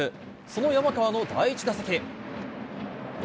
その山川の第１打席。